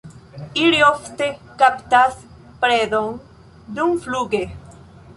Ili ofte kaptas predon dumfluge.